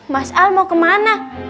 mas al mau kemana